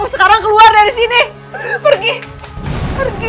sekarang keluar dari sini pergi pergi